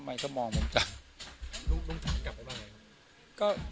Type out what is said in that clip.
วันนี้ก็จะเป็นสวัสดีครับ